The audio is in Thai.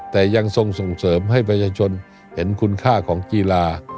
แต่ยังทรงส่งเสริมให้ประชาชนเห็นคุณค่าของกีฬา